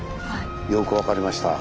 よく分かりました。